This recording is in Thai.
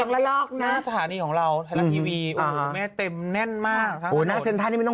ไม่ก็จะไม่น่ารถติดเหมือนกันนะพี่ผัสอ่า